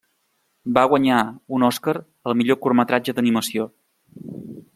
Va guanyar un Oscar al millor curtmetratge d'animació.